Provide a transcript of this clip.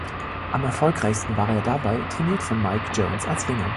Am erfolgreichsten war er dabei, trainiert von Mike Jones, als Ringer.